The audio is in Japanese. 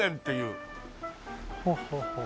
ほうほうほう。